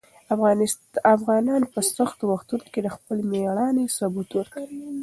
افغانان په سختو وختونو کې د خپل مېړانې ثبوت ورکوي.